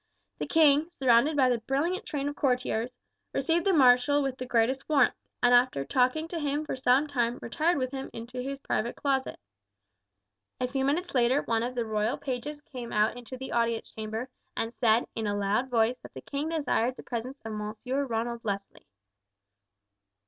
The king, surrounded by a brilliant train of courtiers, received the marshal with the greatest warmth, and after talking to him for some time retired with him into his private closet. A few minutes later one of the royal pages came out into the audience chamber and said in a loud voice that the king desired the presence of Monsieur Ronald Leslie.